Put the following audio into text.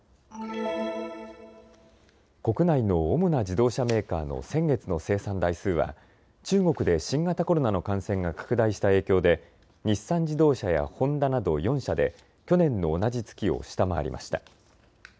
国内の主な自動車メーカーの先月の生産台数は中国で新型コロナの感染が拡大した影響で日産自動車やホンダなど４社で去年の同じ月を下回りました。